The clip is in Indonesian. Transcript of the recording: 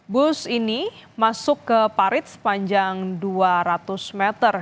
bus ini masuk ke parit sepanjang dua ratus meter